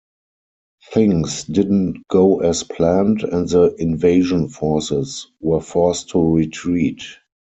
Things didn't go as planned and the invasion forces were forced to retreat.